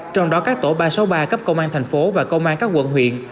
trong đó các tổ ba trăm sáu mươi ba cấp công an thành phố và công an các quận huyện